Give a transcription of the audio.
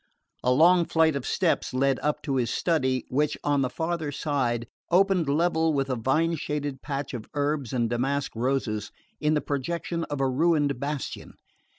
A long flight of steps led up to his study, which on the farther side opened level with a vine shaded patch of herbs and damask roses in the projection of a ruined bastion.